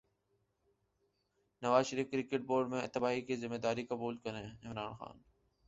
نواز Sharif cricket board میں تباہی کی ذمہ داری قبول کریں عمران خان